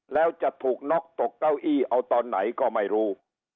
แล้วจะถูกน็อกตกเก้าอี้เอาตอนไหนก็ไม่รู้